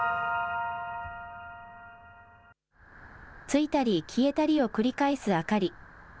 ついたり消えたりを繰り返す明かり。